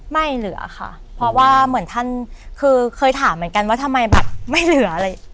ไม่เหลือค่ะเพราะว่าเหมือนท่านคือเคยถามเหมือนกันว่าทำไมแบบไม่เหลืออะไร